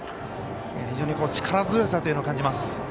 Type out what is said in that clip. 非常に力強さというのを感じます。